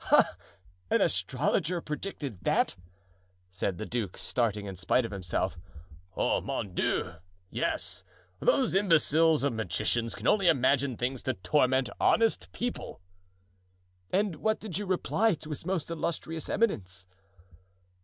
"Ah! an astrologer predicted that?" said the duke, starting in spite of himself. "Oh, mon Dieu! yes! those imbeciles of magicians can only imagine things to torment honest people." "And what did you reply to his most illustrious eminence?"